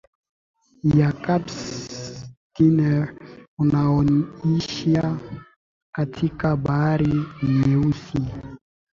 ya Kasp Dnepr unaoishia katika Bahari Nyeusi